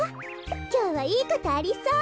きょうはいいことありそう。